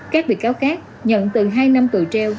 các bị cáo khác nhận từ hai năm tù treo